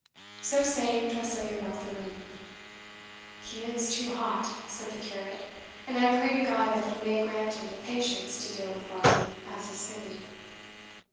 So saying, Tressilian left the room. "He is too hot," said the curate; "and I pray to God that He may grant him the patience to deal with Varney as is fitting."